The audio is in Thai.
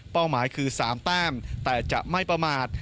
หมายคือ๓แต้มแต่จะไม่ประมาท